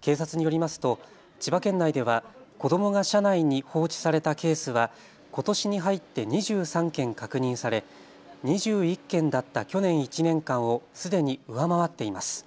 警察によりますと千葉県内では子どもが車内に放置されたケースはことしに入って２３件確認され、２１件だった去年１年間をすでに上回っています。